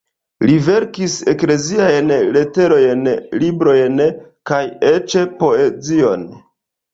Li verkis ekleziajn leterojn, librojn kaj eĉ poezion.